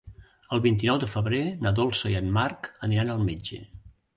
El vint-i-nou de febrer na Dolça i en Marc aniran al metge.